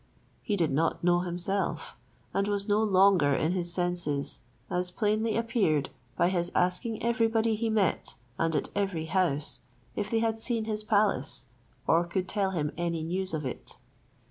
He did not know himself, and was no longer in his senses, as plainly appeared by his asking everybody he met, and at every house, if they had seen his palace, or could tell him any news of it.